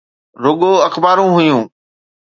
رڳو اخبارون هيون.